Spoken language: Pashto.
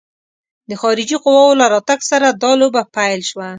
د خارجي قواوو له راتګ سره دا لوبه پیل شوه.